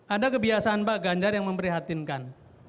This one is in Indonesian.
ada kebiasaan pak ganjar yang memprihatinkan